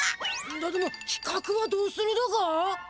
だどもきかくはどうするだか？